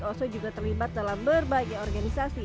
oso juga terlibat dalam berbagai organisasi